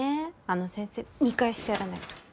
あの先生見返してやらないと。